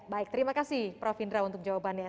baik terima kasih prof indra untuk jawabannya